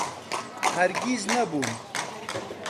هەرگیز نەبوون.